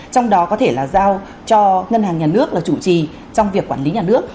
trong đó có thể là giao cho ngân hàng nhà nước là chủ trì trong việc quản lý nhà nước